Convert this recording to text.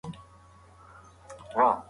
معلم وویل چې پاکوالی نیم ایمان دی.